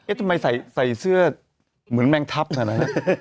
ทำไมใส่เสื้อเหมือนแมงทัพน่ะนะฮะ